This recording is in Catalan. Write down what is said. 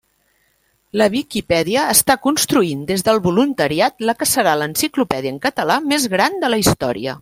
La Viquipèdia està construint des del voluntariat la que serà l'enciclopèdia en català més gran de la història.